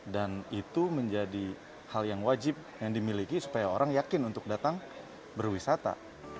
dan itu menjadi hal yang wajib yang dimiliki supaya orang yakin untuk datang berwisata